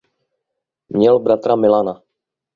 Měl bratra Milana.